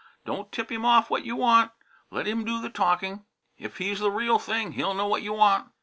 Don't tip him off what you want. Let him do the talkin'. If he's the real thing he'll know what you want.